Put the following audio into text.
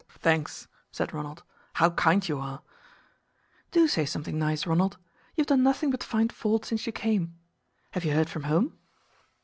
"Thanks," said Ronald. "How kind you are!" "Do say something nice, Ronald. You have done nothing but find fault since you came. Have you heard from home?"